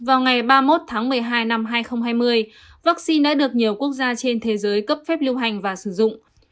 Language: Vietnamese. vào ngày ba mươi một tháng một mươi hai năm hai nghìn hai mươi vaccine đã được nhiều quốc gia trên thế giới cấp phép lưu hành và sử dụng